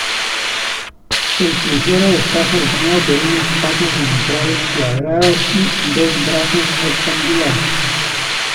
El crucero está formado por un espacio central cuadrado y dos brazos rectangulares.